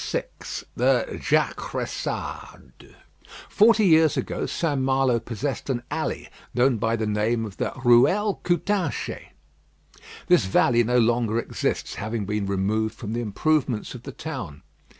VI THE JACRESSADE Forty years ago, St. Malo possessed an alley known by the name of the "Ruelle Coutanchez." This alley no longer exists, having been removed for the improvements of the town.